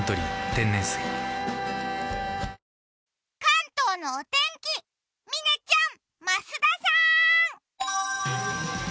関東のお天気、嶺ちゃん、増田さーん！